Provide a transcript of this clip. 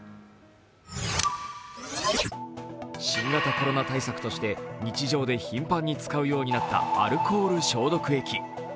新型コロナ対策として日常で頻繁に使うようになったアルコール消毒液。